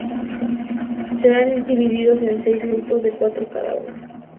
Serán divididos en seis grupos de cuatro cada uno.